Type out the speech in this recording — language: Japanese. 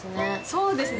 そうですね。